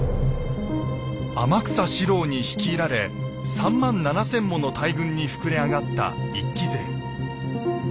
天草四郎に率いられ３万７，０００もの大軍に膨れ上がった一揆勢。